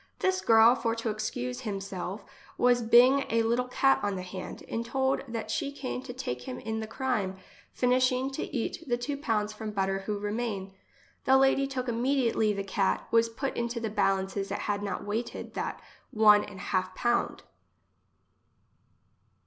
This girl, for to excuse him selve, was bing a little cat on the hand, and told that she came to take him in the crime, finishing to eat the two pounds from butter who remain. The Lady took immediately the cat, was put into the balances it had not weighted that one an half pound.